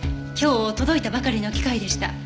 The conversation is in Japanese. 今日届いたばかりの機械でした。